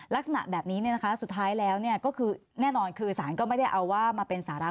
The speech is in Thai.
ลักษณะแบบนี้สุดท้ายแล้วแน่นอนสารไม่ได้ซำมาเป็นแบบปัญญาสารา